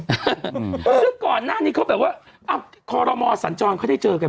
ซึ่งก่อนหน้านี้เขาแบบว่าอ้าวครมสันจรเขาได้เจอกัน